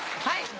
はい。